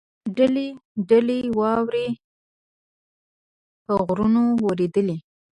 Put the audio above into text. دلۍ دلۍ واوره په غرونو ورېدلې.